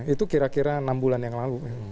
itu kira kira enam bulan yang lalu